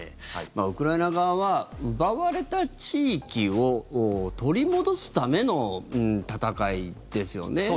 ウクライナ側は奪われた地域を取り戻すための戦いですよね。